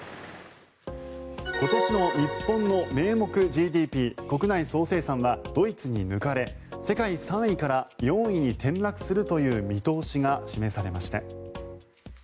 今年の日本の名目ＧＤＰ・国内総生産はドイツに抜かれ、世界３位から４位に転落するという見通しが示されました。